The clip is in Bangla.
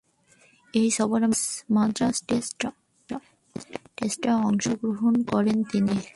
এ সফরেই মাদ্রাজ টেস্টে অংশগ্রহণ করেন তিনি।